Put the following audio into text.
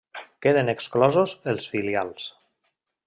Queden exclosos els filials.